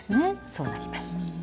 そうなります。